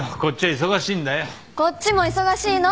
こっちも忙しいの。